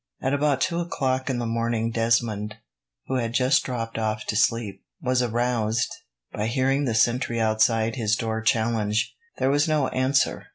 At about two o'clock in the morning Desmond, who had but just dropped off to sleep, was aroused by hearing the sentry outside his door challenge. There was no answer.